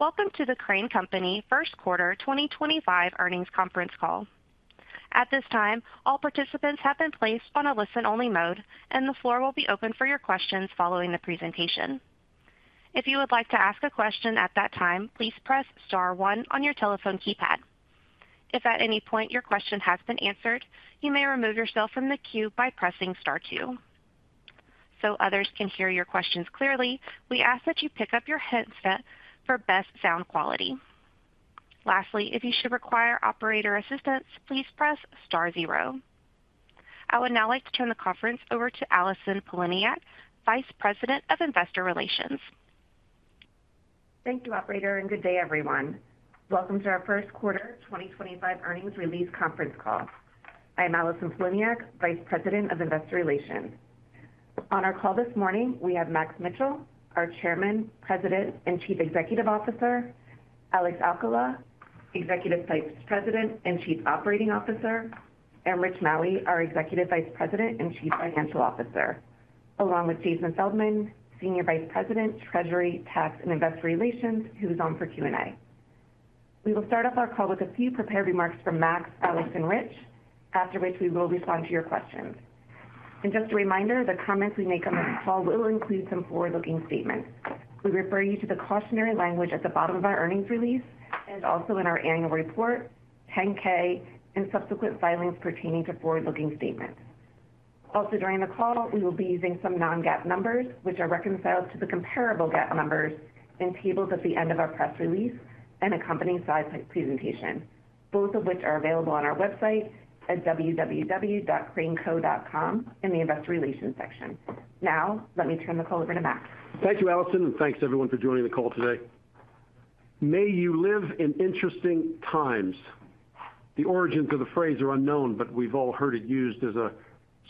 Welcome to the Crane Company First Quarter 2025 earnings conference call. At this time, all participants have been placed on a listen-only mode, and the floor will be open for your questions following the presentation. If you would like to ask a question at that time, please press star one on your telephone keypad. If at any point your question has been answered, you may remove yourself from the queue by pressing star two. So others can hear your questions clearly, we ask that you pick up your headset for best sound quality. Lastly, if you should require operator assistance, please press star zero. I would now like to turn the conference over to Allison Poliniak, Vice President of Investor Relations. Thank you, Operator, and good day, everyone. Welcome to our First Quarter 2025 earnings release conference call. I am Allison Poliniak, Vice President of Investor Relations. On our call this morning, we have Max Mitchell, our Chairman, President, and Chief Executive Officer; Alex Alcala, Executive Vice President and Chief Operating Officer; and Rich Maue, our Executive Vice President and Chief Financial Officer, along with Jason Feldman, Senior Vice President, Treasury, Tax, and Investor Relations, who is on for Q&A. We will start off our call with a few prepared remarks from Max, Alex, and Rich, after which we will respond to your questions. Just a reminder, the comments we make on this call will include some forward-looking statements. We refer you to the cautionary language at the bottom of our earnings release and also in our annual report, 10-K, and subsequent filings pertaining to forward-looking statements. Also, during the call, we will be using some non-GAAP numbers, which are reconciled to the comparable GAAP numbers and tabled at the end of our press release and the company's slide presentation, both of which are available on our website at www.craneco.com in the Investor Relations section. Now, let me turn the call over to Max. Thank you, Allison, and thanks, everyone, for joining the call today. May you live in interesting times. The origins of the phrase are unknown, but we've all heard it used as a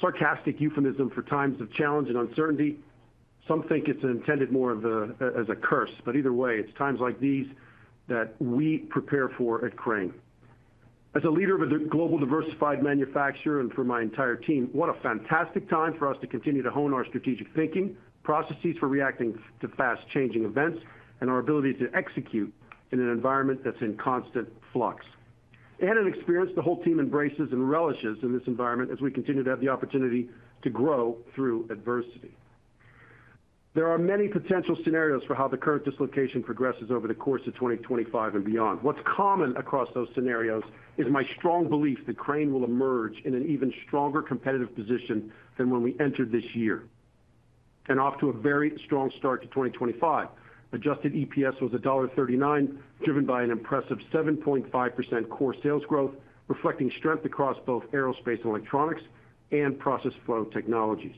sarcastic euphemism for times of challenge and uncertainty. Some think it's intended more as a curse, but either way, it's times like these that we prepare for at Crane. As a leader of a global diversified manufacturer and for my entire team, what a fantastic time for us to continue to hone our strategic thinking, processes for reacting to fast-changing events, and our ability to execute in an environment that's in constant flux. An experience the whole team embraces and relishes in this environment as we continue to have the opportunity to grow through adversity. There are many potential scenarios for how the current dislocation progresses over the course of 2025 and beyond. What's common across those scenarios is my strong belief that Crane will emerge in an even stronger competitive position than when we entered this year and off to a very strong start to 2025. Adjusted EPS was $1.39, driven by an impressive 7.5% core sales growth, reflecting strength across both aerospace and electronics and process flow technologies.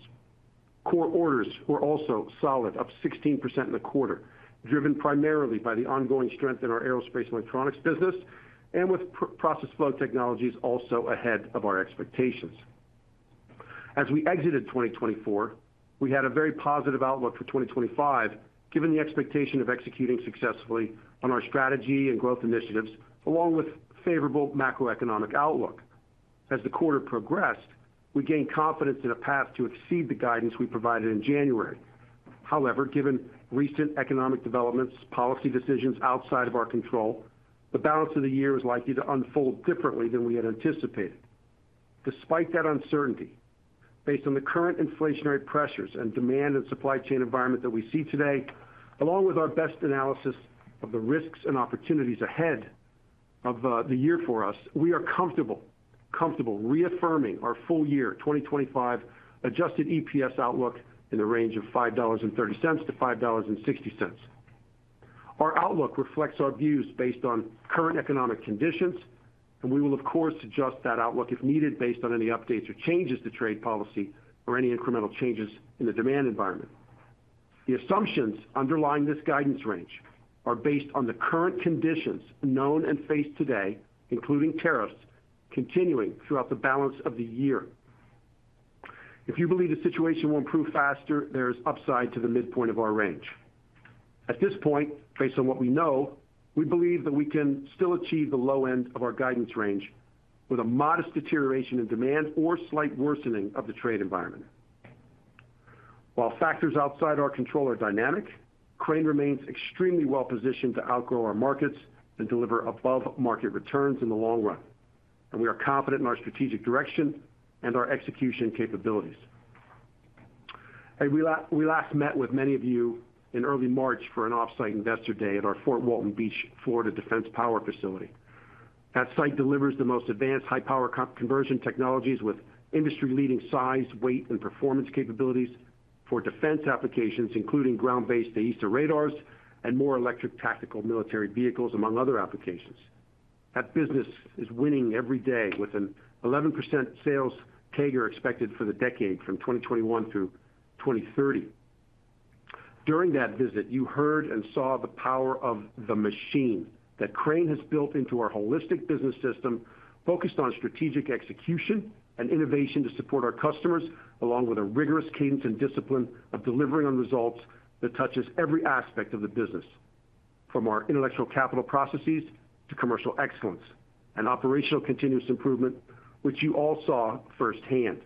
Core orders were also solid, up 16% in the quarter, driven primarily by the ongoing strength in our aerospace and electronics business and with process flow technologies also ahead of our expectations. As we exited 2024, we had a very positive outlook for 2025, given the expectation of executing successfully on our strategy and growth initiatives, along with a favorable macroeconomic outlook. As the quarter progressed, we gained confidence in a path to exceed the guidance we provided in January. However, given recent economic developments, policy decisions outside of our control, the balance of the year is likely to unfold differently than we had anticipated. Despite that uncertainty, based on the current inflationary pressures and demand and supply chain environment that we see today, along with our best analysis of the risks and opportunities ahead of the year for us, we are comfortable reaffirming our full year 2025 adjusted EPS outlook in the range of $5.30-$5.60. Our outlook reflects our views based on current economic conditions, and we will, of course, adjust that outlook if needed based on any updates or changes to trade policy or any incremental changes in the demand environment. The assumptions underlying this guidance range are based on the current conditions known and faced today, including tariffs continuing throughout the balance of the year. If you believe the situation will improve faster, there is upside to the midpoint of our range. At this point, based on what we know, we believe that we can still achieve the low end of our guidance range with a modest deterioration in demand or slight worsening of the trade environment. While factors outside our control are dynamic, Crane remains extremely well-positioned to outgrow our markets and deliver above-market returns in the long run, and we are confident in our strategic direction and our execution capabilities. We last met with many of you in early March for an off-site investor day at our Fort Walton Beach, Florida, defense power facility. That site delivers the most advanced high-power conversion technologies with industry-leading size, weight, and performance capabilities for defense applications, including ground-based AESA radars and more electric tactical military vehicles, among other applications. That business is winning every day with an 11% sales CAGR expected for the decade from 2021 through 2030. During that visit, you heard and saw the power of the machine that Crane has built into our holistic business system, focused on strategic execution and innovation to support our customers, along with a rigorous cadence and discipline of delivering on results that touches every aspect of the business, from our intellectual capital processes to commercial excellence and operational continuous improvement, which you all saw firsthand.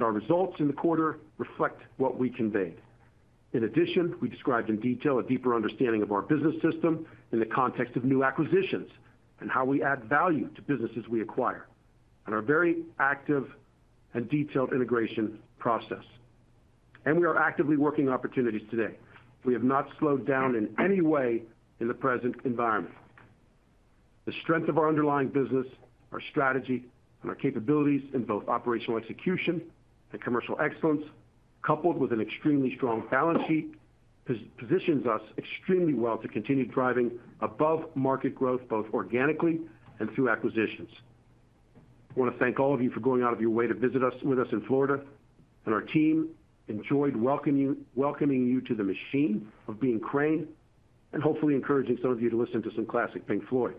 Our results in the quarter reflect what we conveyed. In addition, we described in detail a deeper understanding of our business system in the context of new acquisitions and how we add value to businesses we acquire and our very active and detailed integration process. We are actively working opportunities today. We have not slowed down in any way in the present environment. The strength of our underlying business, our strategy, and our capabilities in both operational execution and commercial excellence, coupled with an extremely strong balance sheet, positions us extremely well to continue driving above-market growth both organically and through acquisitions. I want to thank all of you for going out of your way to visit us in Florida, and our team enjoyed welcoming you to the machine of being Crane and hopefully encouraging some of you to listen to some classic Pink Floyd.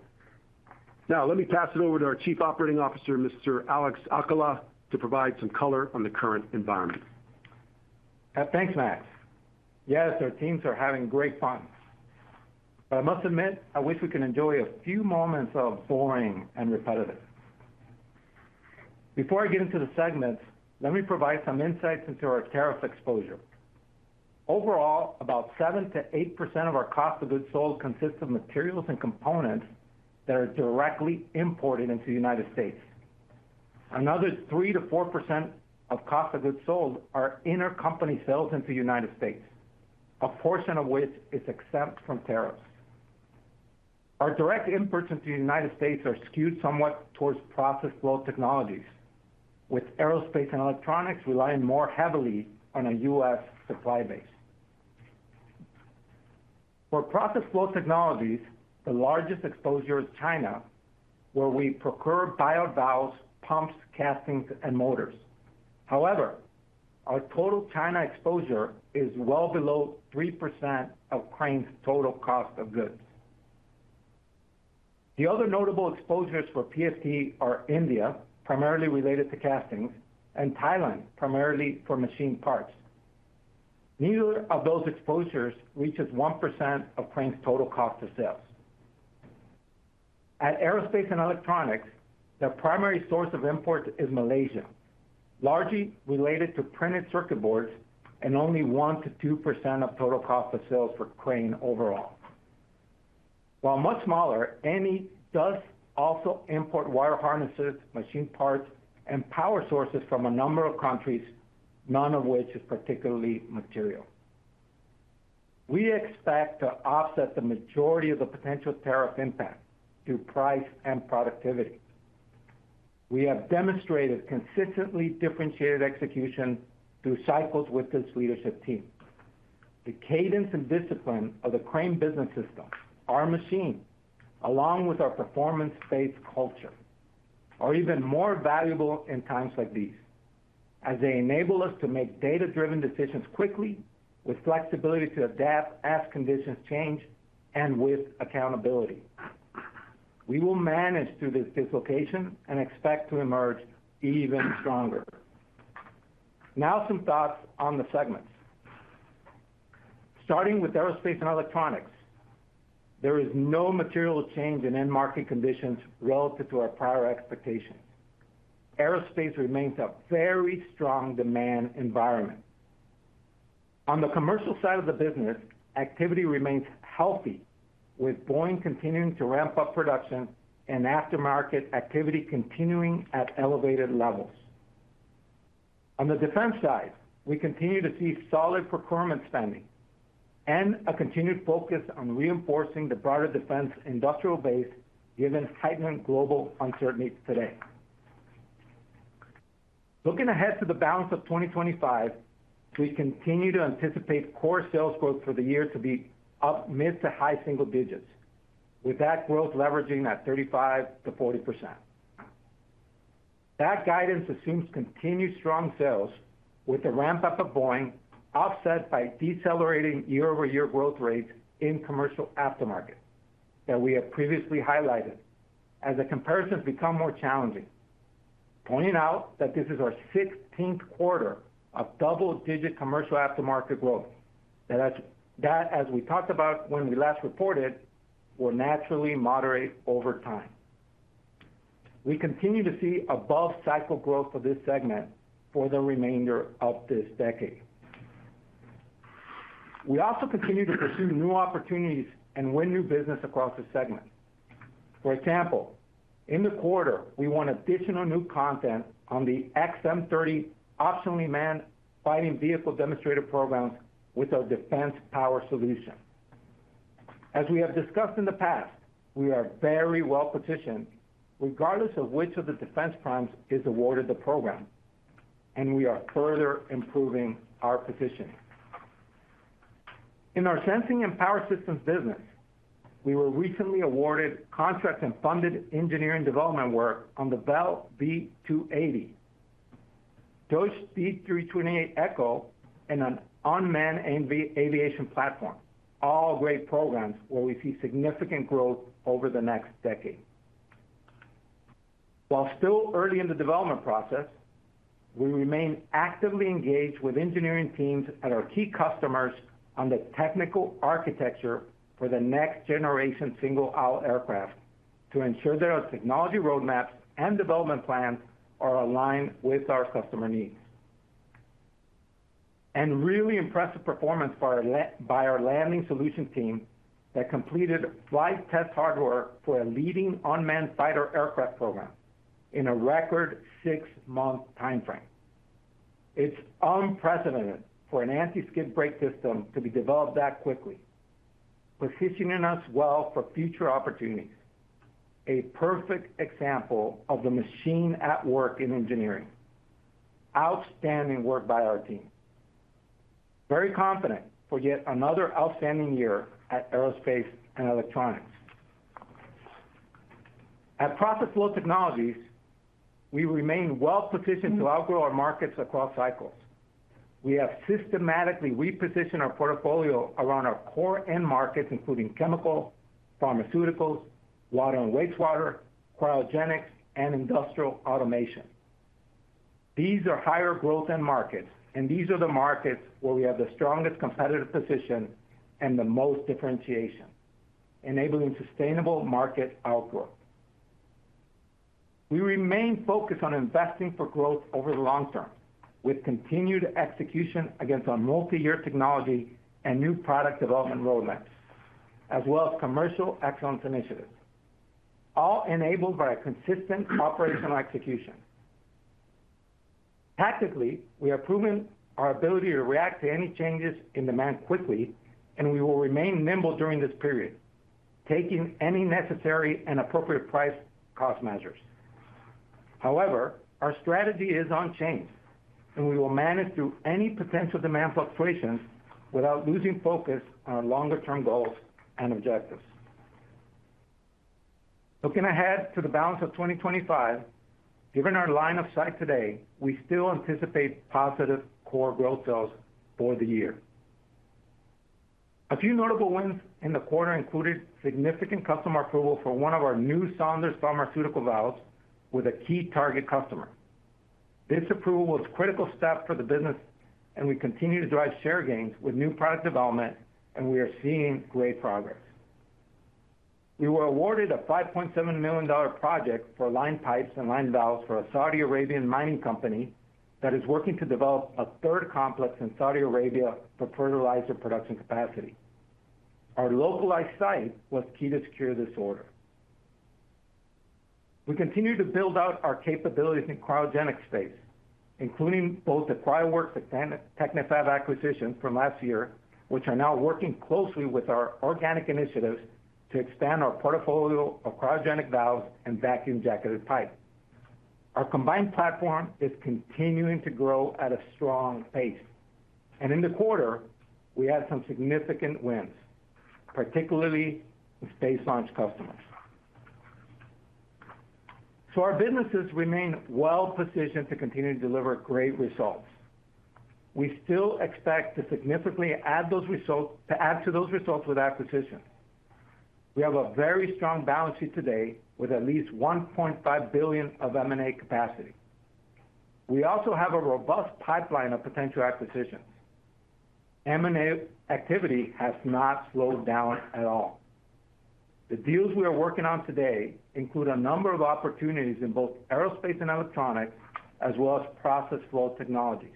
Now, let me pass it over to our Chief Operating Officer, Mr. Alex Alcala, to provide some color on the current environment. Thanks, Max. Yes, our teams are having great fun. I must admit, I wish we could enjoy a few moments of boring and repetitive. Before I get into the segments, let me provide some insights into our tariff exposure. Overall, about 7%-8% of our cost of goods sold consists of materials and components that are directly imported into the U.S. Another 3%-4% of cost of goods sold are intercompany sales into the U.S., a portion of which is exempt from tariffs. Our direct imports into the U.S. are skewed somewhat towards process flow technologies, with aerospace and electronics relying more heavily on a U.S. supply base. For process flow technologies, the largest exposure is China, where we procure biovalves, pumps, castings, and motors. However, our total China exposure is well below 3% of Crane's total cost of goods. The other notable exposures for PFT are India, primarily related to castings, and Thailand, primarily for machine parts. Neither of those exposures reaches 1% of Crane's total cost of sales. At Aerospace & Electronics, the primary source of import is Malaysia, largely related to printed circuit boards and only 1%-2% of total cost of sales for Crane overall. While much smaller, AMI does also import wire harnesses, machine parts, and power sources from a number of countries, none of which is particularly material. We expect to offset the majority of the potential tariff impact through price and productivity. We have demonstrated consistently differentiated execution through cycles with this leadership team. The cadence and discipline of the Crane business system, our machine, along with our performance-based culture, are even more valuable in times like these as they enable us to make data-driven decisions quickly, with flexibility to adapt as conditions change and with accountability. We will manage through this dislocation and expect to emerge even stronger. Now, some thoughts on the segments. Starting with aerospace and electronics, there is no material change in end market conditions relative to our prior expectations. Aerospace remains a very strong demand environment. On the commercial side of the business, activity remains healthy, with Boeing continuing to ramp up production and aftermarket activity continuing at elevated levels. On the defense side, we continue to see solid procurement spending and a continued focus on reinforcing the broader defense industrial base given heightened global uncertainty today. Looking ahead to the balance of 2025, we continue to anticipate core sales growth for the year to be up mid to high single digits, with that growth leveraging at 35%-40%. That guidance assumes continued strong sales with the ramp-up of Boeing offset by decelerating year-over-year growth rates in commercial aftermarket that we have previously highlighted as the comparisons become more challenging, pointing out that this is our 16th quarter of double-digit commercial aftermarket growth that, as we talked about when we last reported, will naturally moderate over time. We continue to see above-cycle growth for this segment for the remainder of this decade. We also continue to pursue new opportunities and win new business across the segment. For example, in the quarter, we won additional new content on the XM30 optionally manned fighting vehicle demonstrator programs with our defense power solution. As we have discussed in the past, we are very well-positioned regardless of which of the defense primes is awarded the program, and we are further improving our positioning. In our sensing and power systems business, we were recently awarded contract and funded engineering development work on the Bell V280, Dornier 328eco, and an unmanned aviation platform, all great programs where we see significant growth over the next decade. While still early in the development process, we remain actively engaged with engineering teams at our key customers on the technical architecture for the next generation single-aisle aircraft to ensure that our technology roadmaps and development plans are aligned with our customer needs. Really impressive performance by our landing solution team that completed flight test hardware for a leading unmanned fighter aircraft program in a record six-month timeframe. It's unprecedented for an anti-skid brake system to be developed that quickly, positioning us well for future opportunities. A perfect example of the machine at work in engineering. Outstanding work by our team. Very confident for yet another outstanding year at Aerospace & Electronics. At Process Flow Technologies, we remain well-positioned to outgrow our markets across cycles. We have systematically repositioned our portfolio around our core end markets, including chemical, pharmaceuticals, water and wastewater, cryogenics, and industrial automation. These are higher growth end markets, and these are the markets where we have the strongest competitive position and the most differentiation, enabling sustainable market outgrowth. We remain focused on investing for growth over the long term, with continued execution against our multi-year technology and new product development roadmaps, as well as commercial excellence initiatives, all enabled by a consistent operational execution. Tactically, we have proven our ability to react to any changes in demand quickly, and we will remain nimble during this period, taking any necessary and appropriate price cost measures. However, our strategy is unchanged, and we will manage through any potential demand fluctuations without losing focus on our longer-term goals and objectives. Looking ahead to the balance of 2025, given our line of sight today, we still anticipate positive core sales growth for the year. A few notable wins in the quarter included significant customer approval for one of our new Saunders Pharmaceutical Valves with a key target customer. This approval was a critical step for the business, and we continue to drive share gains with new product development, and we are seeing great progress. We were awarded a $5.7 million project for lined pipes and lined valves for a Saudi Arabian mining company that is working to develop a third complex in Saudi Arabia for fertilizer production capacity. Our localized site was key to secure this order. We continue to build out our capabilities in cryogenics space, including both the CryoWorks and Technifab acquisitions from last year, which are now working closely with our organic initiatives to expand our portfolio of Cryogenic Valves and Vacuum Jacketed Pipes. Our combined platform is continuing to grow at a strong pace, and in the quarter, we had some significant wins, particularly with space launch customers. Our businesses remain well-positioned to continue to deliver great results. We still expect to significantly add to those results with acquisitions. We have a very strong balance sheet today with at least $1.5 billion of M&A capacity. We also have a robust pipeline of potential acquisitions. M&A activity has not slowed down at all. The deals we are working on today include a number of opportunities in both aerospace and electronics, as well as process flow technologies,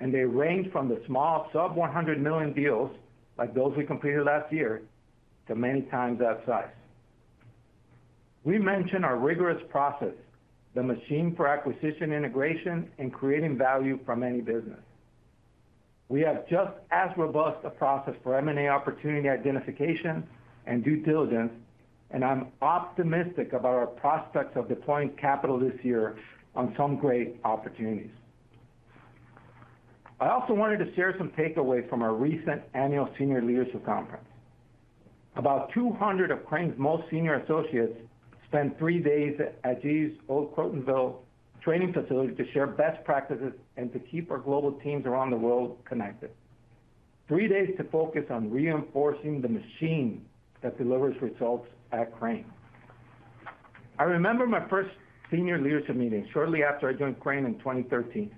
and they range from the small sub-$100 million deals like those we completed last year to many times that size. We mention our rigorous process, the machine for acquisition integration, and creating value for many businesses. We have just as robust a process for M&A opportunity identification and due diligence, and I'm optimistic about our prospects of deploying capital this year on some great opportunities. I also wanted to share some takeaways from our recent annual senior leadership conference. About 200 of Crane's most senior associates spent three days at GE's Old Crotonville training facility to share best practices and to keep our global teams around the world connected. Three days to focus on reinforcing the machine that delivers results at Crane. I remember my first senior leadership meeting shortly after I joined Crane in 2013.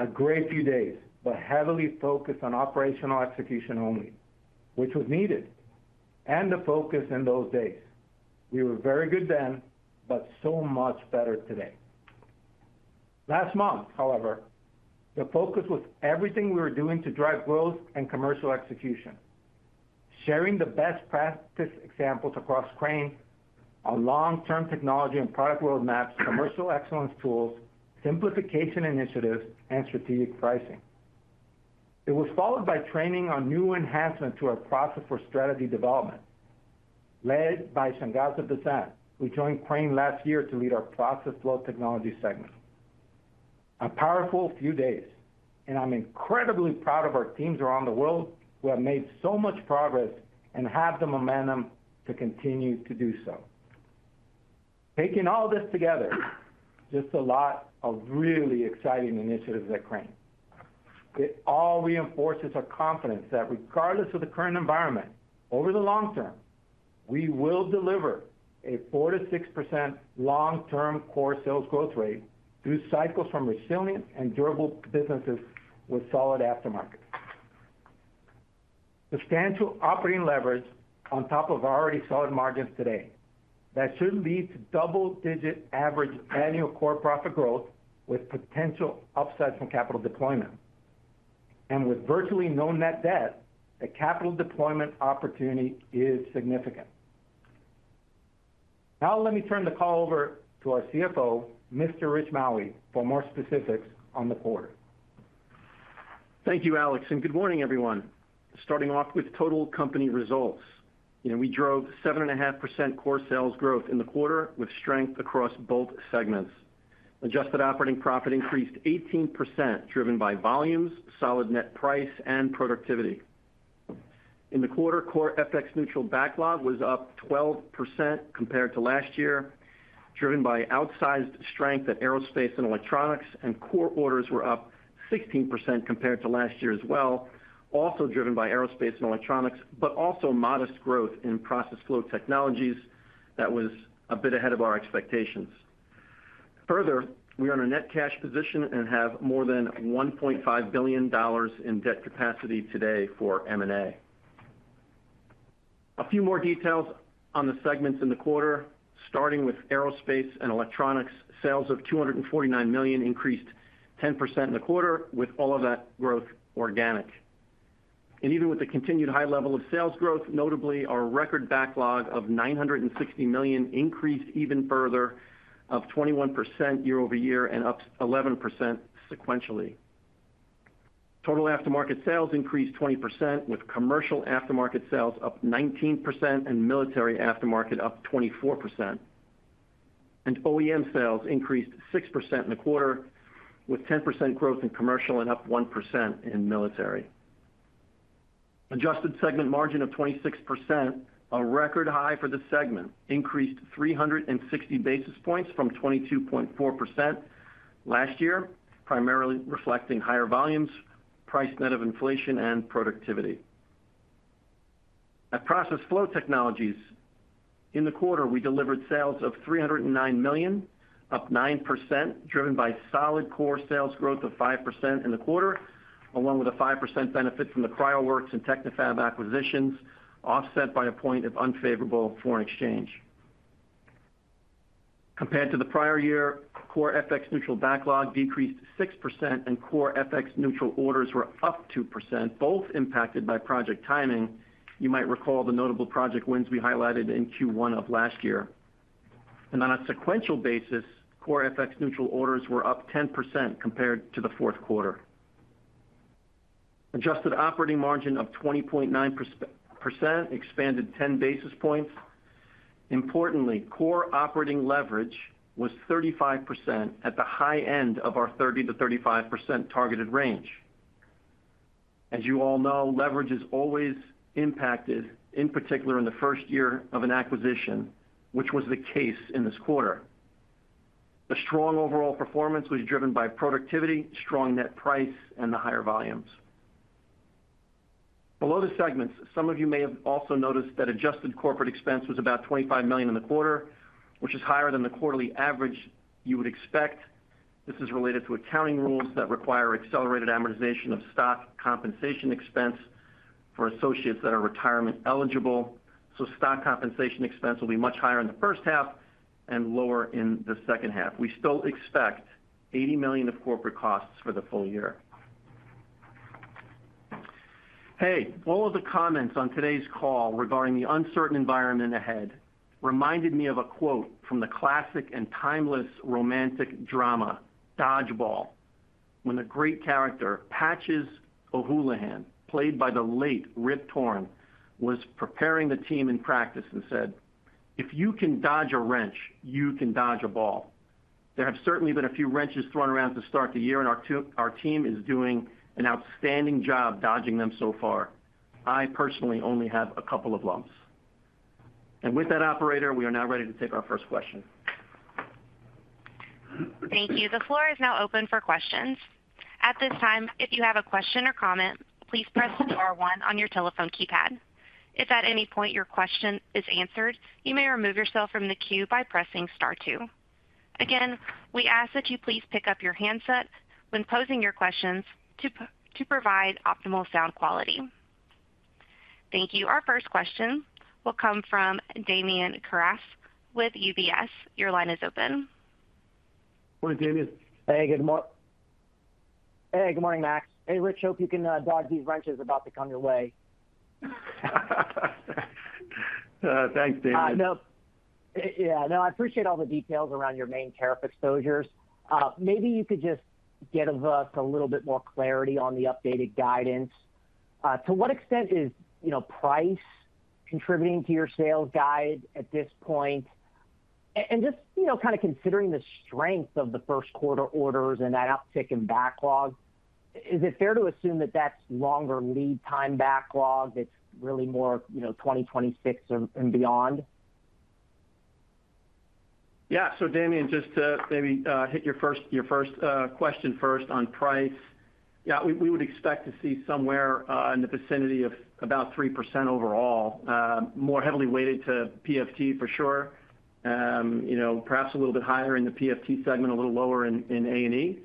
A great few days, but heavily focused on operational execution only, which was needed, and the focus in those days. We were very good then, but so much better today. Last month, however, the focus was everything we were doing to drive growth and commercial execution. Sharing the best practice examples across Crane, our long-term technology and product roadmaps, commercial excellence tools, simplification initiatives, and strategic pricing. It was followed by training on new enhancements to our process for strategy development, led by Sanjay Dissanayake, who joined Crane last year to lead our process flow technologies segment. A powerful few days, and I'm incredibly proud of our teams around the world who have made so much progress and have the momentum to continue to do so. Taking all this together, just a lot of really exciting initiatives at Crane. It all reinforces our confidence that regardless of the current environment, over the long term, we will deliver a 4%-6% long-term core sales growth rate through cycles from resilient and durable businesses with solid aftermarket. Substantial operating leverage on top of already solid margins today that should lead to double-digit average annual core profit growth with potential upside from capital deployment. With virtually no net debt, the capital deployment opportunity is significant. Now, let me turn the call over to our CFO, Mr. Rich Maue, for more specifics on the quarter. Thank you, Alex, and good morning, everyone. Starting off with total company results. We drove 7.5% core sales growth in the quarter with strength across both segments. Adjusted operating profit increased 18%, driven by volumes, solid net price, and productivity. In the quarter, core FX neutral backlog was up 12% compared to last year, driven by outsized strength at Aerospace & Electronics, and core orders were up 16% compared to last year as well, also driven by Aerospace & Electronics, but also modest growth in Process Flow Technologies that was a bit ahead of our expectations. Further, we are in a net cash position and have more than $1.5 billion in debt capacity today for M&A. A few more details on the segments in the quarter. Starting with Aerospace & Electronics, sales of $249 million increased 10% in the quarter, with all of that growth organic. Even with the continued high level of sales growth, notably, our record backlog of $960 million increased even further, up 21% year over year and up 11% sequentially. Total aftermarket sales increased 20%, with commercial aftermarket sales up 19% and military aftermarket up 24%. OEM sales increased 6% in the quarter, with 10% growth in commercial and up 1% in military. Adjusted segment margin of 26%, a record high for the segment, increased 360 basis points from 22.4% last year, primarily reflecting higher volumes, price net of inflation, and productivity. At Process Flow Technologies, in the quarter, we delivered sales of $309 million, up 9%, driven by solid core sales growth of 5% in the quarter, along with a 5% benefit from the CryoWorks and Technifab acquisitions, offset by a point of unfavorable foreign exchange. Compared to the prior year, core FX neutral backlog decreased 6%, and core FX neutral orders were up 2%, both impacted by project timing. You might recall the notable project wins we highlighted in Q1 of last year. On a sequential basis, core FX neutral orders were up 10% compared to the fourth quarter. Adjusted operating margin of 20.9% expanded 10 basis points. Importantly, core operating leverage was 35% at the high end of our 30%-35% targeted range. As you all know, leverage is always impacted, in particular in the first year of an acquisition, which was the case in this quarter. The strong overall performance was driven by productivity, strong net price, and the higher volumes. Below the segments, some of you may have also noticed that adjusted corporate expense was about $25 million in the quarter, which is higher than the quarterly average you would expect. This is related to accounting rules that require accelerated amortization of stock compensation expense for associates that are retirement eligible. Stock compensation expense will be much higher in the first half and lower in the second half. We still expect $80 million of corporate costs for the full year. Hey, all of the comments on today's call regarding the uncertain environment ahead reminded me of a quote from the classic and timeless romantic drama Dodgeball, when the great character Patches O'Houlihan, played by the late Rip Torn, was preparing the team in practice and said, "If you can dodge a wrench, you can dodge a ball." There have certainly been a few wrenches thrown around to start the year, and our team is doing an outstanding job dodging them so far. I personally only have a couple of lumps. With that, operator, we are now ready to take our first question. Thank you. The floor is now open for questions. At this time, if you have a question or comment, please press star one on your telephone keypad. If at any point your question is answered, you may remove yourself from the queue by pressing star two. Again, we ask that you please pick up your handset when posing your questions to provide optimal sound quality. Thank you. Our first question will come from Damian Karas with UBS. Your line is open. Morning, Damian. Hey, good morning. Hey, good morning, Max. Hey, Rich, hope you can dodge these wrenches about to come your way. Thanks, Damian. Yeah, no, I appreciate all the details around your main tariff exposures. Maybe you could just get us a little bit more clarity on the updated guidance. To what extent is price contributing to your sales guide at this point? Just kind of considering the strength of the first quarter orders and that uptick in backlog, is it fair to assume that that's longer lead time backlog that's really more 2026 and beyond? Yeah, so Damian, just to maybe hit your first question first on price, yeah, we would expect to see somewhere in the vicinity of about 3% overall, more heavily weighted to PFT for sure, perhaps a little bit higher in the PFT segment, a little lower in A&E.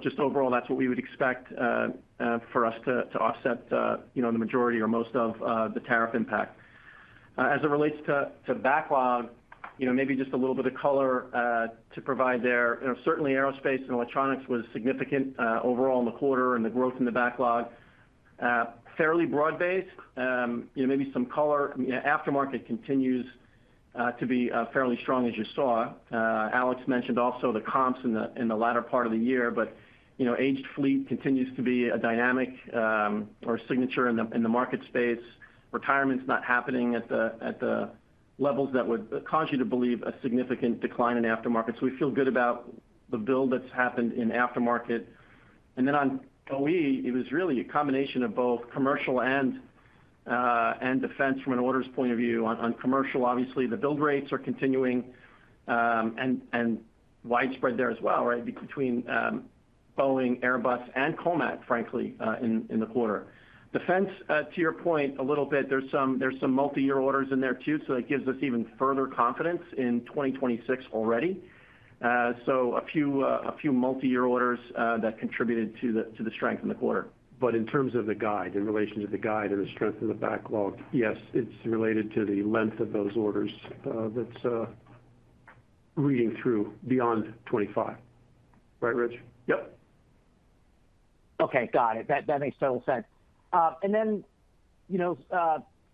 Just overall, that's what we would expect for us to offset the majority or most of the tariff impact. As it relates to backlog, maybe just a little bit of color to provide there. Certainly, Aerospace & Electronics was significant overall in the quarter and the growth in the backlog. Fairly broad-based, maybe some color. Aftermarket continues to be fairly strong, as you saw. Alex mentioned also the comps in the latter part of the year, but aged fleet continues to be a dynamic or a signature in the market space. Retirement's not happening at the levels that would cause you to believe a significant decline in aftermarket. We feel good about the build that's happened in aftermarket. On OE, it was really a combination of both commercial and defense from an orders point of view. On commercial, obviously, the build rates are continuing and widespread there as well, right, between Boeing, Airbus, and COMAC, frankly, in the quarter. Defense, to your point, a little bit, there's some multi-year orders in there too, so that gives us even further confidence in 2026 already. A few multi-year orders contributed to the strength in the quarter. In terms of the guide, in relation to the guide and the strength of the backlog, yes, it's related to the length of those orders that's reading through beyond 2025,right, Rich? Yep. Okay, got it. That makes total sense. Then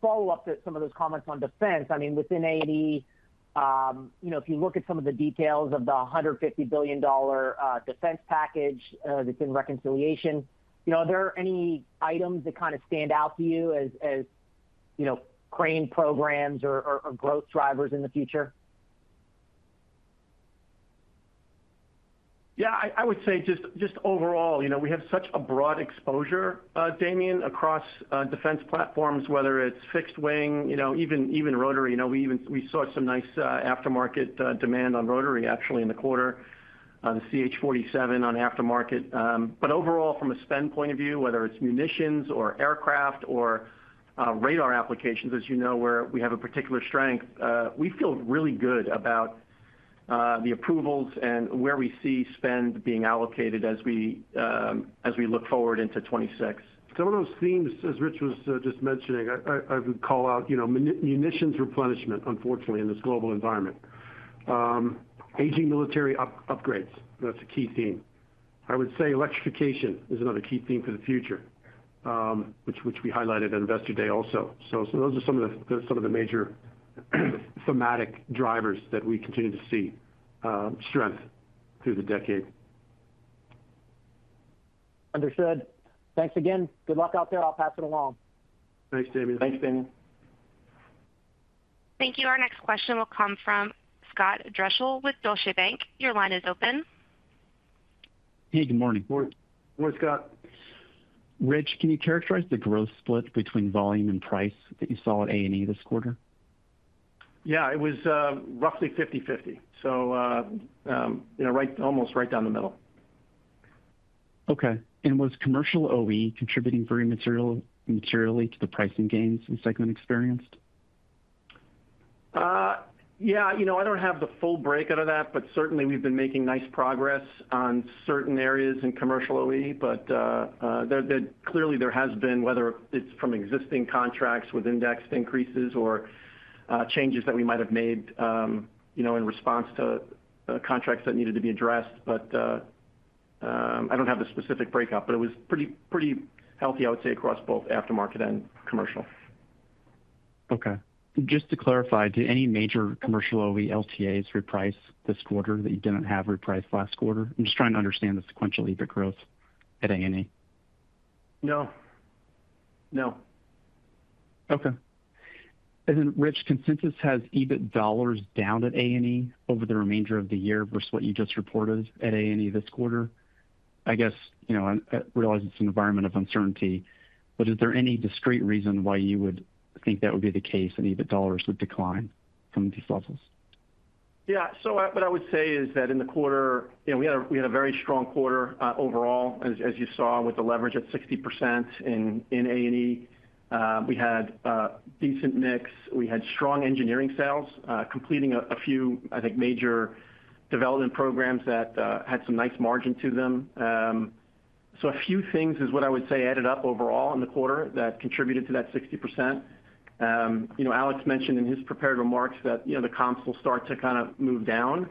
follow-up to some of those comments on defense. I mean, within A&E, if you look at some of the details of the $150 billion defense package that's in reconciliation, are there any items that kind of stand out to you as Crane programs or growth drivers in the future? Yeah, I would say just overall, we have such a broad exposure, Damien, across defense platforms, whether it's fixed wing, even rotary. We saw some nice aftermarket demand on rotary, actually, in the quarter, the CH-47 on aftermarket. Overall, from a spend point of view, whether it's munitions or aircraft or radar applications, as you know, where we have a particular strength, we feel really good about the approvals and where we see spend being allocated as we look forward into 2026. Some of those themes, as Rich was just mentioning, I would call out munitions replenishment, unfortunately, in this global environment. Aging military upgrades, that's a key theme. I would say electrification is another key theme for the future, which we highlighted at Investor Day also. Those are some of the major thematic drivers that we continue to see strength through the decade. Understood. Thanks again. Good luck out there. I'll pass it along. Thanks, Damian. Thanks, Damian. Thank you. Our next question will come from Scott Deuschle with Deutsche Bank. Your line is open. Hey, good morning. Morning, Scott. Rich, can you characterize the growth split between volume and price that you saw at A&E this quarter? Yeah, it was roughly 50/50, so almost right down the middle. Okay. Was commercial OE contributing very materially to the pricing gains the segment experienced? Yeah, I don't have the full break out of that, but certainly, we've been making nice progress on certain areas in commercial OE. Clearly, there has been, whether it's from existing contracts with indexed increases or changes that we might have made in response to contracts that needed to be addressed. I don't have the specific breakup, but it was pretty healthy, I would say, across both aftermarket and commercial. Okay. Just to clarify, did any major commercial OE LTAs reprice this quarter that you didn't have repriced last quarter? I'm just trying to understand the sequential EBIT growth at A&E. No. Okay. Rich, consensus has EBIT dollars down at A&E over the remainder of the year versus what you just reported at A&E this quarter. I guess, realizing it's an environment of uncertainty, but is there any discrete reason why you would think that would be the case and EBIT dollars would decline from these levels? Yeah. What I would say is that in the quarter, we had a very strong quarter overall, as you saw, with the leverage at 60% in A&E. We had a decent mix. We had strong engineering sales completing a few, I think, major development programs that had some nice margin to them. A few things is what I would say added up overall in the quarter that contributed to that 60%. Alex mentioned in his prepared remarks that the comps will start to kind of move down.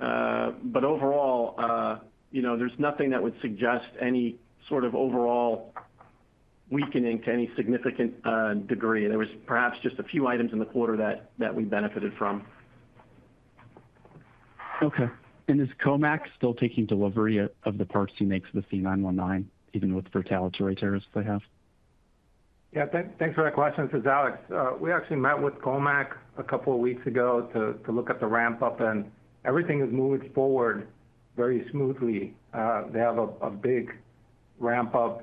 Overall, there's nothing that would suggest any sort of overall weakening to any significant degree. There was perhaps just a few items in the quarter that we benefited from. Okay. Is COMAC still taking delivery of the parts he makes with the C919, even with the retaliatory tariffs they have? Yeah, thanks for that question. This is Alex. We actually met with COMAC a couple of weeks ago to look at the ramp-up, and everything is moving forward very smoothly. They have a big ramp-up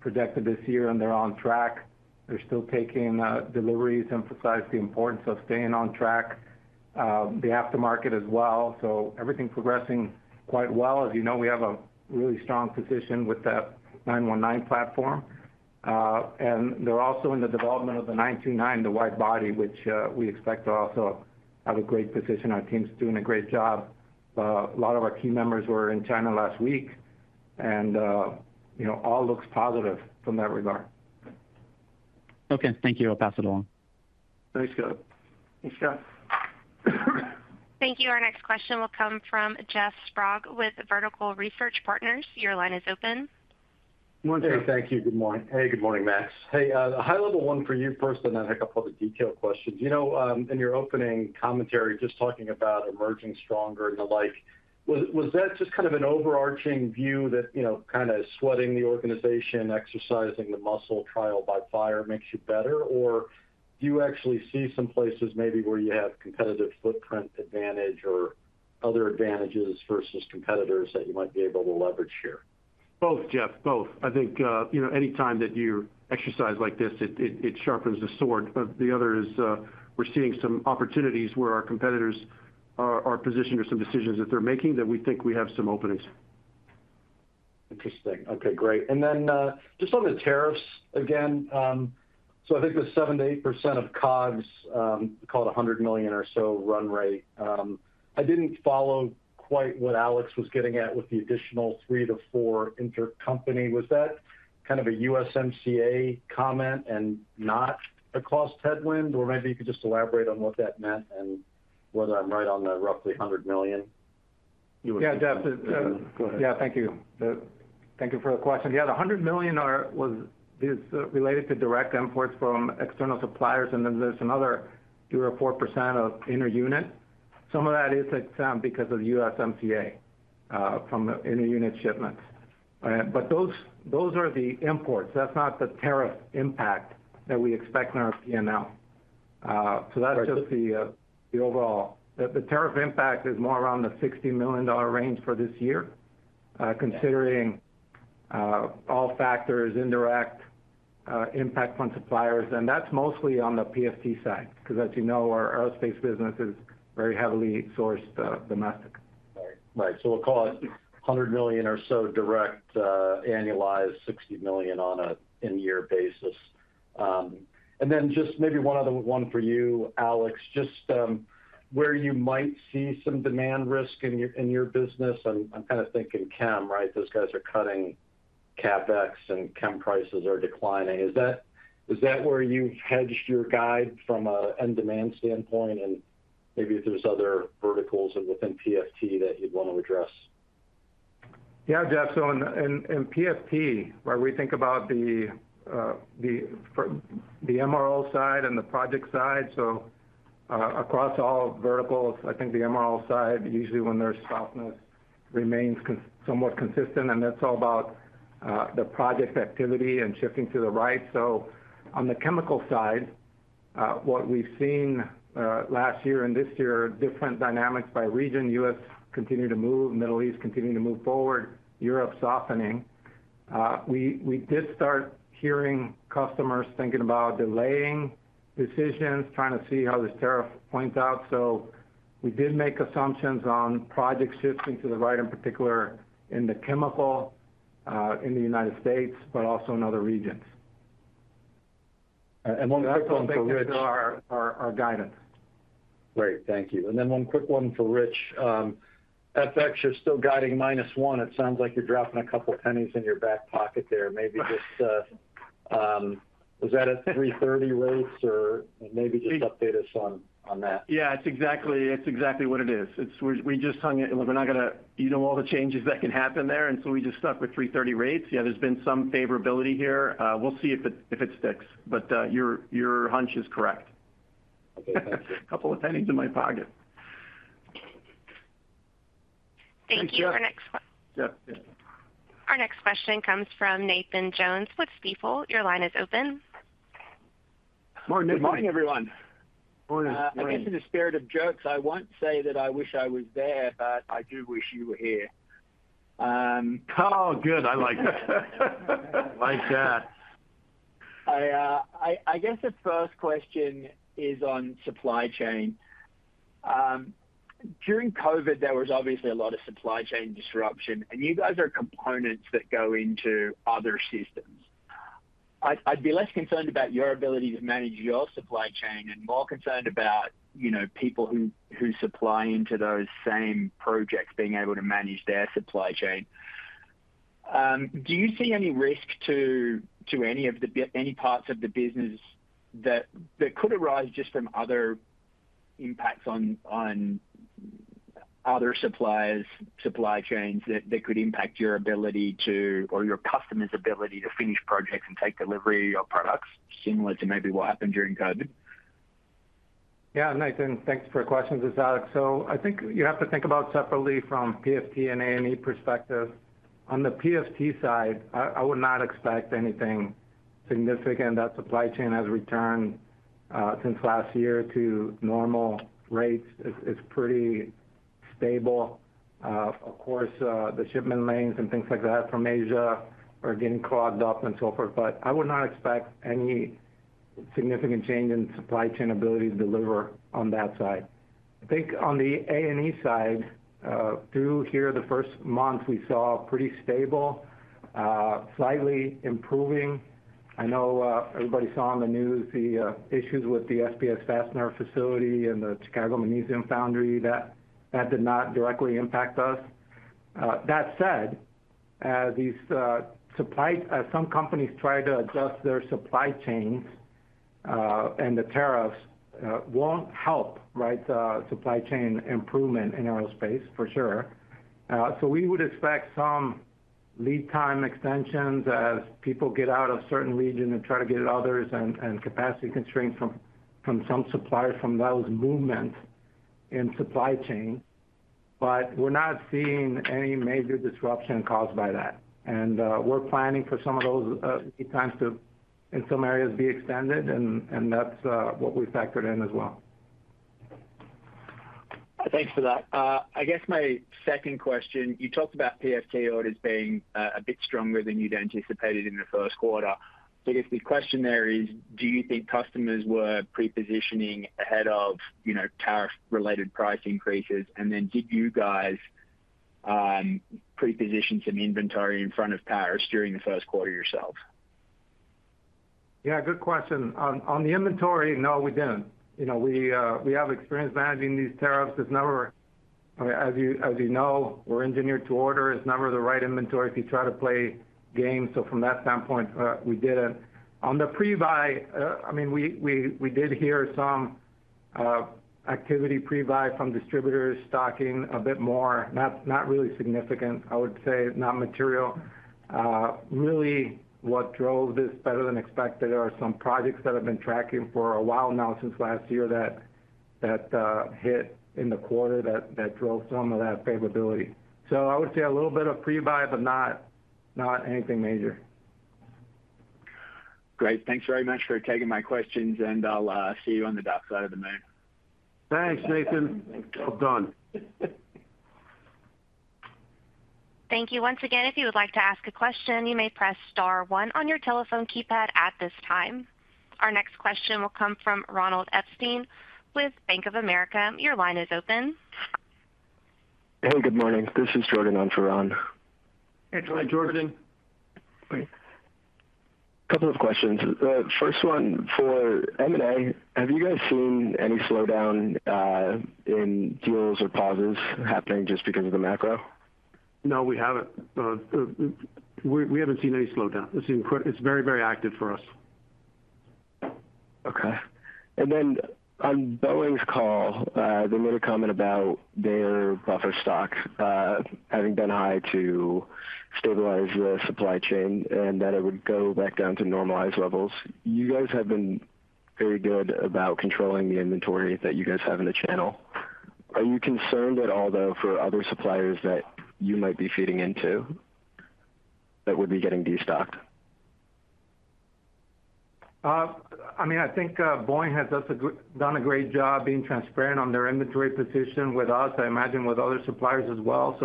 projected this year, and they're on track. They're still taking deliveries, emphasize the importance of staying on track, the aftermarket as well. Everything's progressing quite well. As you know, we have a really strong position with that 919 platform. They're also in the development of the 929, the wide body, which we expect to also have a great position. Our team's doing a great job. A lot of our key members were in China last week, and all looks positive from that regard. Okay. Thank you. I'll pass it along. Thanks, Scott. Thank you. Our next question will come from Jeff Sprague with Vertical Research Partners. Your line is open. Good morning. Hey, thank you. Good morning. Hey, good morning, Max. High-level one for you first, and then a couple of the detailed questions. In your opening commentary, just talking about emerging stronger and the like, was that just kind of an overarching view that kind of sweating the organization, exercising the muscle, trial by fire, makes you better? Or do you actually see some places maybe where you have competitive footprint advantage or other advantages versus competitors that you might be able to leverage here? Both, Jeff, both. I think anytime that you exercise like this, it sharpens the sword. The other is we're seeing some opportunities where our competitors are positioned or some decisions that they're making that we think we have some openings. Interesting. Okay, great. Just on the tariffs again, I think the 7%-8% of COGS, called $100 million or so run rate. I did not follow quite what Alex was getting at with the additional 3%-4% intercompany. Was that kind of a USMCA comment and not a cost headwind? Maybe you could just elaborate on what that meant and whether I am right on the roughly $100 million? Yeah, definitely. Go ahead. Yeah, thank you. Thank you for the question. Yeah, the $100 million was related to direct imports from external suppliers. Then there is another 3% or 4% of interunit. Some of that is because of USMCA from interunit shipments. Those are the imports. That is not the tariff impact that we expect in our P&L. That is just the overall. The tariff impact is more around the $60 million range for this year, considering all factors, indirect impact on suppliers. That's mostly on the PFT side because, as you know, our aerospace business is very heavily sourced domestic. Right. We'll call it $100 million or so direct, annualized $60 million on an end-year basis. Maybe one other one for you, Alex, just where you might see some demand risk in your business. I'm kind of thinking CAM, right? Those guys are cutting CapEx, and CAM prices are declining. Is that where you've hedged your guide from an end-demand standpoint? Maybe if there's other verticals within PFT that you'd want to address? Yeah, Jeff. In PFT, where we think about the MRO side and the project side, across all verticals, I think the MRO side, usually when there's softness, remains somewhat consistent. That's all about the project activity and shifting to the right. On the chemical side, what we've seen last year and this year, different dynamics by region. U.S. continuing to move, Middle East continuing to move forward, Europe softening. We did start hearing customers thinking about delaying decisions, trying to see how this tariff points out. We did make assumptions on projects shifting to the right, in particular in the chemical in the United States, but also in other regions. One quick one for Rich. Our guidance. Great. Thank you. One quick one for Rich. FX, you're still guiding minus one. It sounds like you're dropping a couple of pennies in your back pocket there. Maybe just was that at 330 rates or maybe just update us on that? Yeah, it's exactly what it is. We just hung it. We're not going to all the changes that can happen there. We just stuck with 330 rates. Yeah, there's been some favorability here. We'll see if it sticks, but your hunch is correct. Okay, thank you. A couple of pennies in my pocket. Thank you. Our next question comes from Nathan Jones with Stifel. Your line is open. Morning, everyone. Morning. I guess in a spirit of jokes, I won't say that I wish I was there, but I do wish you were here. Good. I like that. Like that. I guess the first question is on supply chain. During COVID, there was obviously a lot of supply chain disruption, and you guys are components that go into other systems. I'd be less concerned about your ability to manage your supply chain and more concerned about people who supply into those same projects being able to manage their supply chain. Do you see any risk to any parts of the business that could arise just from other impacts on other suppliers, supply chains that could impact your ability to or your customer's ability to finish projects and take delivery of your products similar to maybe what happened during COVID? Yeah, Nathan, thanks for your questions. This is Alex. I think you have to think about separately from PFT and A&E perspective. On the PFT side, I would not expect anything significant. That supply chain has returned since last year to normal rates. It's pretty stable. Of course, the shipment lanes and things like that from Asia are getting clogged up and so forth. I would not expect any significant change in supply chain ability to deliver on that side. I think on the A&E side, through here, the first month we saw pretty stable, slightly improving. I know everybody saw on the news the issues with the SPS Technologies facility and the Chicago Magnesium Foundry. That did not directly impact us. That said, some companies tried to adjust their supply chains, and the tariffs will not help, right, supply chain improvement in aerospace, for sure. We would expect some lead time extensions as people get out of certain regions and try to get others and capacity constraints from some suppliers from those movements in supply chain. We are not seeing any major disruption caused by that. We are planning for some of those lead times to, in some areas, be extended, and that is what we factored in as well. Thanks for that. I guess my second question, you talked about PFT orders being a bit stronger than you'd anticipated in the first quarter. I guess the question there is, do you think customers were prepositioning ahead of tariff-related price increases? Did you guys preposition some inventory in front of tariffs during the first quarter yourself? Yeah, good question. On the inventory, no, we didn't. We have experience managing these tariffs. As you know, we're engineered to order. It's never the right inventory if you try to play games. From that standpoint, we didn't. On the prebuy, I mean, we did hear some activity prebuy from distributors stocking a bit more. Not really significant, I would say, not material. Really, what drove this better than expected are some projects that have been tracking for a while now since last year that hit in the quarter that drove some of that favorability. I would say a little bit of prebuy, but not anything major. Great. Thanks very much for taking my questions, and I'll see you on the dark side of the moon. Thanks, Nathan. Well done. Thank you. Once again, if you would like to ask a question, you may press star one on your telephone keypad at this time. Our next question will come from Ronald Epstein with Bank of America. Your line is open. Hey, good morning. This is Jordan on for Ron. Hey, Jordan. A couple of questions. First one for M&A. Have you guys seen any slowdown in deals or pauses happening just because of the macro? No, we haven't. We haven't seen any slowdown. It's very, very active for us. Okay. Then on Boeing's call, they made a comment about their buffer stock having been high to stabilize the supply chain and that it would go back down to normalized levels. You guys have been very good about controlling the inventory that you guys have in the channel. Are you concerned at all, though, for other suppliers that you might be feeding into that would be getting destocked? I mean, I think Boeing has done a great job being transparent on their inventory position with us. I imagine with other suppliers as well.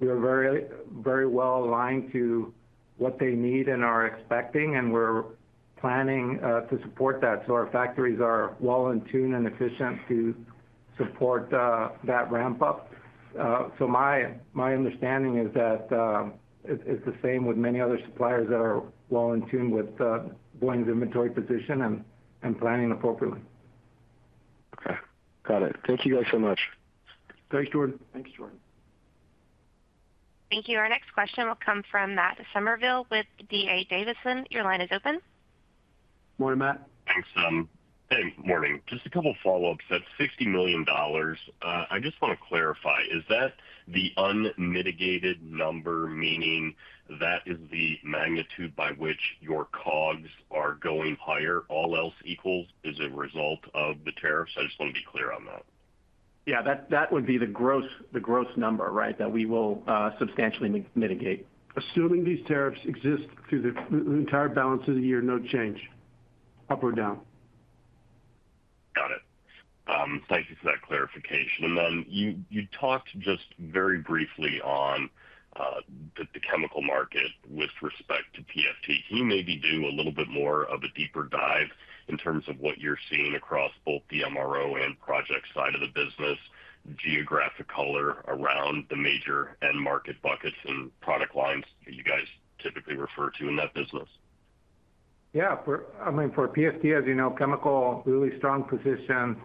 We are very well aligned to what they need and are expecting, and we are planning to support that. Our factories are well in tune and efficient to support that ramp-up. My understanding is that it's the same with many other suppliers that are well in tune with Boeing's inventory position and planning appropriately. Okay. Got it. Thank you guys so much. Thanks, Jordan. Thanks, Jordan. Thank you. Our next question will come from Matt Summerville with DA Davidson. Your line is open. Morning, Matt. Thanks, Hey, morning. Just a couple of follow-ups. That $60 million, I just want to clarify. Is that the unmitigated number, meaning that is the magnitude by which your COGS are going higher? All else equals is a result of the tariffs. I just want to be clear on that. Yeah, that would be the gross number, right, that we will substantially mitigate. Assuming these tariffs exist through the entire balance of the year, no change, up or down. Got it. Thank you for that clarification. You talked just very briefly on the chemical market with respect to PFT. Can you maybe do a little bit more of a deeper dive in terms of what you're seeing across both the MRO and project side of the business, geographic color around the major end market buckets and product lines that you guys typically refer to in that business? Yeah. I mean, for PFT, as you know, chemical, really strong position.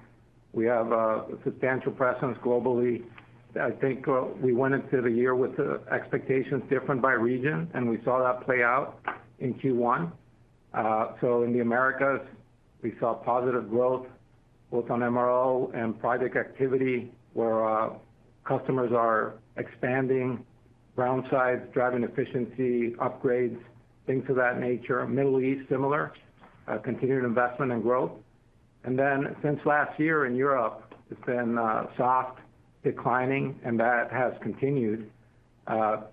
We have a substantial presence globally. I think we went into the year with expectations different by region, and we saw that play out in Q1. In the Americas, we saw positive growth both on MRO and project activity where customers are expanding, run sizes, driving efficiency, upgrades, things of that nature. Middle East, similar, continued investment and growth. Since last year in Europe, it's been soft, declining, and that has continued.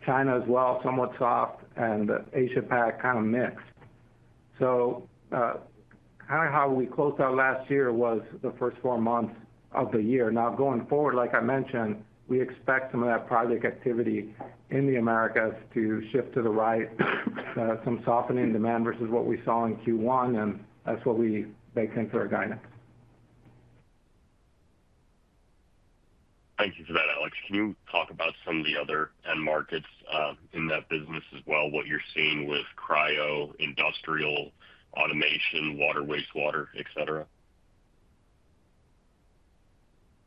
China as well, somewhat soft, and Asia-Pac kind of mixed. Kind of how we closed out last year was the first four months of the year. Now, going forward, like I mentioned, we expect some of that project activity in the Americas to shift to the right, some softening demand versus what we saw in Q1, and that's what we baked into our guidance. Thank you for that, Alex. Can you talk about some of the other end markets in that business as well, what you're seeing with cryo, industrial, automation, water, wastewater,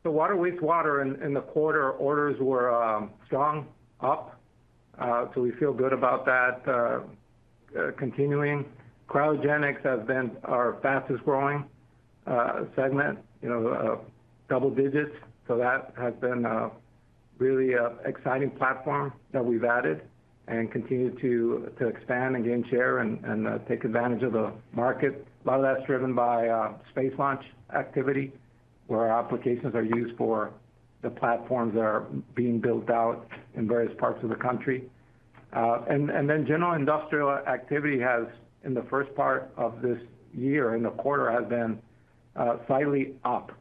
etc.? Water, wastewater, in the quarter, orders were strong, up. We feel good about that continuing. Cryogenics have been our fastest growing segment, double digits. That has been a really exciting platform that we've added and continue to expand and gain share and take advantage of the market. A lot of that's driven by space launch activity where our applications are used for the platforms that are being built out in various parts of the country. General industrial activity has in the first part of this year, in the quarter, been slightly up.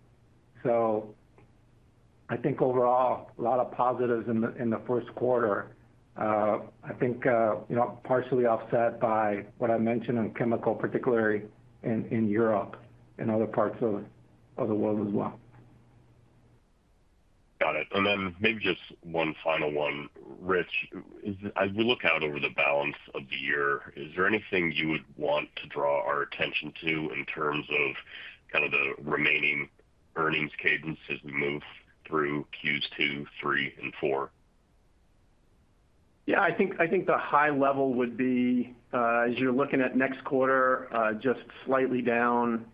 I think overall, a lot of positives in the first quarter. I think partially offset by what I mentioned on chemical, particularly in Europe and other parts of the world as well. Got it. Maybe just one final one, Rich. As we look out over the balance of the year, is there anything you would want to draw our attention to in terms of kind of the remaining earnings cadence as we move through Q2, Q3, and Q4? Yeah, I think the high level would be, as you're looking at next quarter, just slightly down,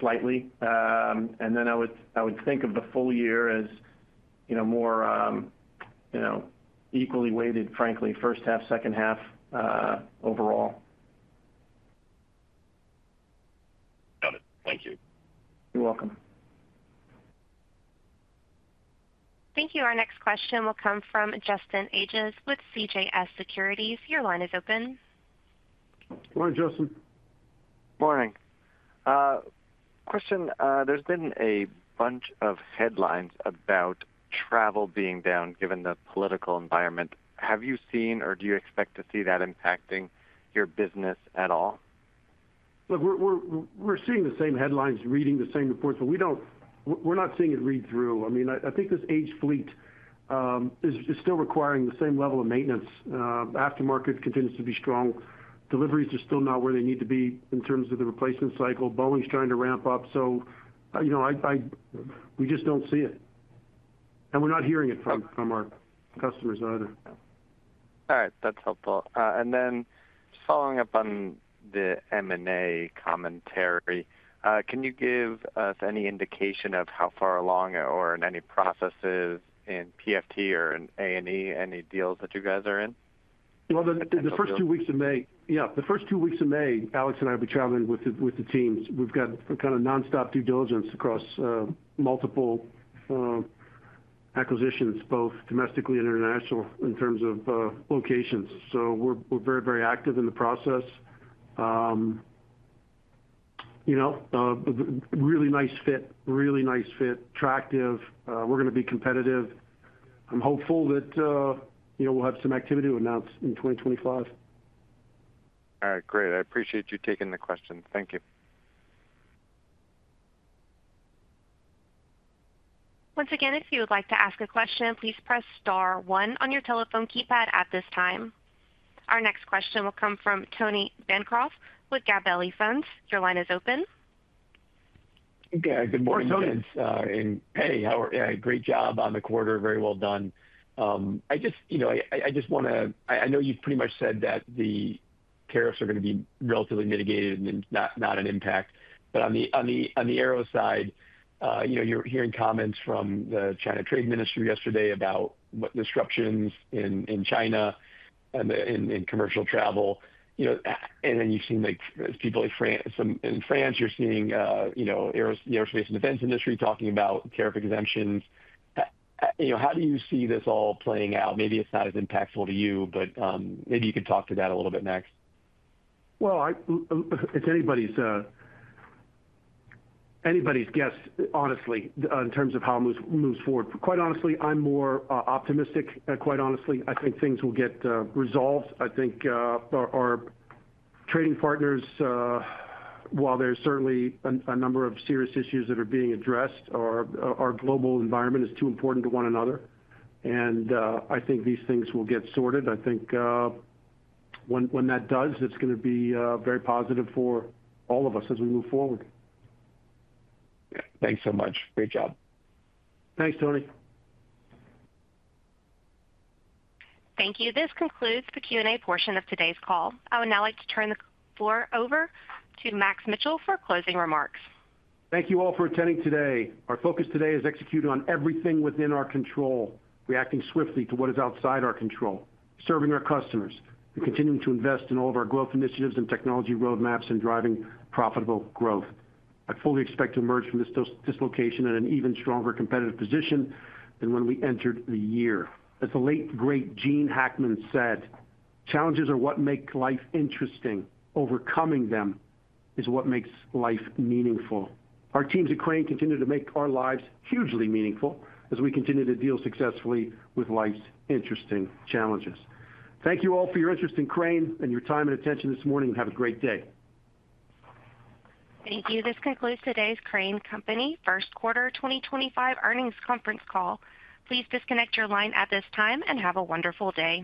slightly. I would think of the full year as more equally weighted, frankly, first half, second half overall. Got it. Thank you. You're welcome. Thank you. Our next question will come from Justin Ages with CJS Securities. Your line is open. Morning, Justin. Morning. Question. There's been a bunch of headlines about travel being down given the political environment. Have you seen or do you expect to see that impacting your business at all? Look, we're seeing the same headlines, reading the same reports, but we're not seeing it read through. I mean, I think this H-Fleet is still requiring the same level of maintenance. Aftermarket continues to be strong. Deliveries are still not where they need to be in terms of the replacement cycle. Boeing's trying to ramp up. We just don't see it. We're not hearing it from our customers either. All right. That's helpful. Just following up on the M&A commentary, can you give us any indication of how far along or in any processes in PFT or in A&E, any deals that you guys are in? The first two weeks of May, yeah, the first two weeks of May, Alex and I will be traveling with the teams. We've got kind of nonstop due diligence across multiple acquisitions, both domestically and international in terms of locations. We are very, very active in the process. Really nice fit, really nice fit, attractive. We are going to be competitive. I'm hopeful that we'll have some activity to announce in 2025. All right. Great. I appreciate you taking the question. Thank you. Once again, if you would like to ask a question, please press star one on your telephone keypad at this time. Our next question will come from Tony Bancroft with Gabelli Funds. Your line is open. Yeah. Good morning, Tony. Hey, how are you? Great job on the quarter. Very well done. I just want to, I know you've pretty much said that the tariffs are going to be relatively mitigated and not an impact. On the aero side, you're hearing comments from the China Trade Ministry yesterday about disruptions in China and in commercial travel. You've seen people in France, you're seeing the aerospace and defense industry talking about tariff exemptions. How do you see this all playing out? Maybe it's not as impactful to you, but maybe you could talk to that a little bit next. It's anybody's guess, honestly, in terms of how it moves forward. Quite honestly, I'm more optimistic. Quite honestly, I think things will get resolved. I think our trading partners, while there's certainly a number of serious issues that are being addressed, our global environment is too important to one another. I think these things will get sorted. I think when that does, it's going to be very positive for all of us as we move forward. Thanks so much. Great job. Thanks, Tony. Thank you. This concludes the Q&A portion of today's call. I would now like to turn the floor over to Max Mitchell for closing remarks. Thank you all for attending today. Our focus today is executing on everything within our control, reacting swiftly to what is outside our control, serving our customers, and continuing to invest in all of our growth initiatives and technology roadmaps and driving profitable growth. I fully expect to emerge from this dislocation in an even stronger competitive position than when we entered the year. As the late great Gene Hackman said, "Challenges are what make life interesting. Overcoming them is what makes life meaningful." Our teams at Crane continue to make our lives hugely meaningful as we continue to deal successfully with life's interesting challenges. Thank you all for your interest in Crane and your time and attention this morning. Have a great day. Thank you. This concludes today's Crane Company First Quarter 2025 earnings conference call. Please disconnect your line at this time and have a wonderful day.